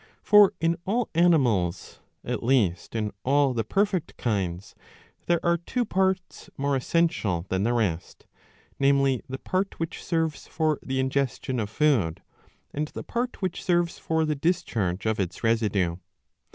^ For in all animals, at least in all the perfect kinds,^ there are two parts more essential than the rest, namely the part which serves for the ingestion of food, and the part which serves for the discharge of its residue.